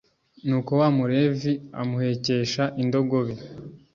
nuko wa mulevi amuhekesha indogobe